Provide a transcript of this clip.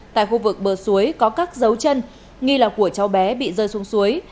tại khu vực bờ suối có các dấu chân nghi là của cháu bé bị rơi xuống suối